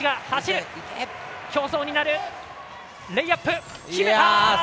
レイアップ、決めた！